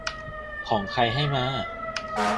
ของ ใคร ให้มา